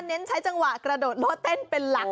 เน้นใช้จังหวะกระโดดโลดเต้นเป็นหลัก